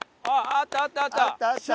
あったあったあった。